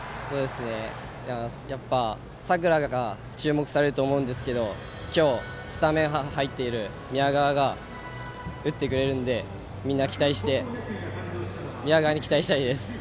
やっぱり佐倉が注目されると思うんですけど今日は、スタメンに入っている宮川が打ってくれるので宮川に期待したいです。